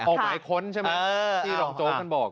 ออกหมายค้นใช่ไหมที่รองโจ๊กท่านบอก